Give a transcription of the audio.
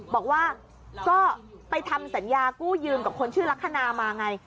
บอกว่าก็ไปทำสัญญากู้ยืมกับคนชื่อลักษณะมาไง